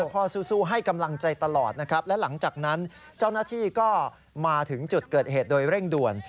ข้อสู้ให้กำลังใจตลอดนะครับและหลังจากนั้นเจ้าหน้าที่ก็มาถึงจุดเกิดเหตุโดยเร่งด่วน